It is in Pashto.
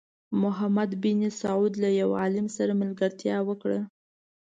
محمد بن سعود له یو عالم سره ملګرتیا وکړه.